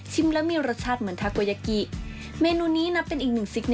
แล้วมีรสชาติเหมือนทาโกยากิเมนูนี้นับเป็นอีกหนึ่งซิคน